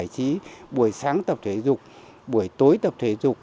cải trí buổi sáng tập thể dục buổi tối tập thể dục